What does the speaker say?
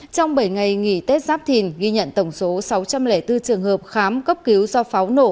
trong bảy ngày nghỉ tết giáp thìn ghi nhận tổng số sáu trăm linh bốn trường hợp khám cấp cứu do pháo nổ